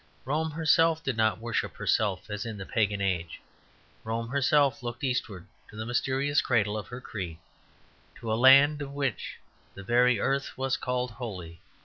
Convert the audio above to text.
Rome herself did not worship herself, as in the pagan age. Rome herself looked eastward to the mysterious cradle of her creed, to a land of which the very earth was called holy.